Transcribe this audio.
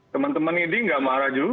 teman teman idi gak marah juga